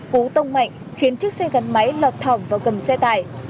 cú tông mạnh khiến chiếc xe gắn máy lọt thỏm vào gầm xe tải